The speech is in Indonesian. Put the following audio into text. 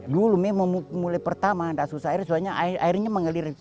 dulu mei mulai pertama tidak susah air sebenarnya airnya mengalir